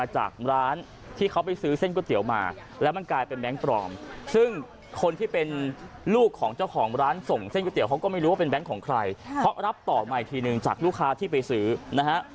จากลูกค้าที่ไปซื้อนะฮะ